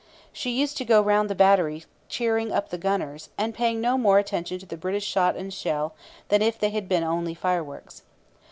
She used to go round the batteries cheering up the gunners, and paying no more attention to the British shot and shell than if they had been only fireworks.